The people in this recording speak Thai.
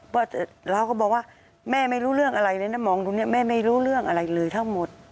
ว่าเราก็บอกว่าแม่ไม่รู้เรื่องอะไรเลยนะมองตรงนี้แม่ไม่รู้เรื่องอะไรเลยทั้งหมด